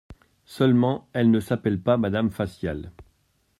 Seulement elle ne s'appelle pas Madame Facial.